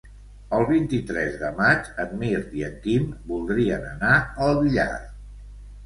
El vint-i-tres de maig en Mirt i en Quim voldrien anar al Villar.